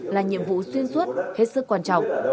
là nhiệm vụ xuyên suốt hết sức quan trọng